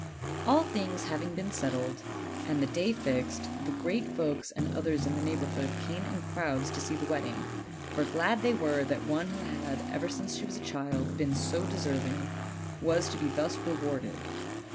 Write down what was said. All things having been settled, and the day fixed, the great folks and others in the neighborhood came in crowds to see the wedding; for glad they were that one who had, ever since she was a child, been so deserving, was to be thus rewarded.